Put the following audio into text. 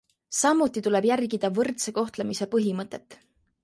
Samuti tuleb järgida võrdse kohtlemise põhimõtet.